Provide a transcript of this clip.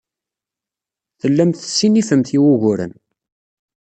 Tellamt tessinifemt i wuguren.